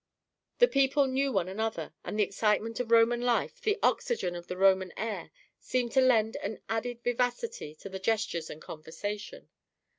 The people knew one another; and the excitement of Roman life, the oxygen in the Roman air seemed to lend an added vivacity to the gestures and conversation.